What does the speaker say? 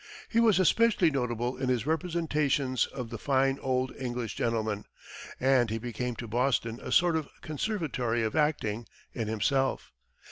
He was especially notable in his representations of the "fine old English gentleman," and he became to Boston a sort of Conservatory of Acting in himself.